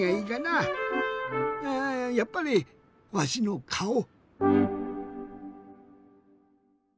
あやっぱりわしのかお？